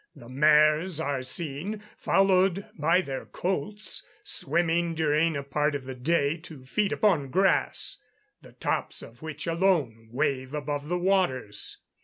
The mares are seen, followed by their colts, swimming, during a part of the day, to feed upon grass, the tops of which alone wave above the waters.